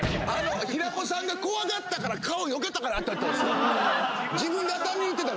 平子さんが怖がったから顔よけたから当たったんですよ